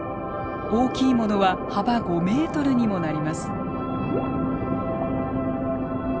大きいものは幅５ｍにもなります。